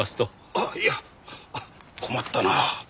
あっいや困ったな。